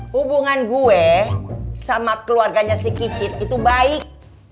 hubungan gue sama keluarganya si kicit itu baik